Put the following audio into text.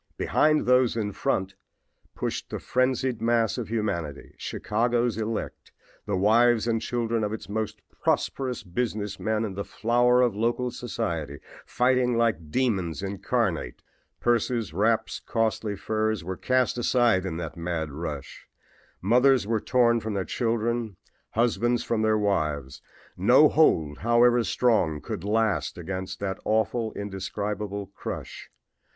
Behind those in front pushed the frenzied mass of humanity, Chicago's elect, the wives and children of its most prosperous business men and the flower of local society, fighting like demons incarnate. Purses, wraps, costly furs were cast aside in that mad rush. Mothers were torn from their children, husbands from their wives. No hold, however strong, could last against that awful, indescribable crush.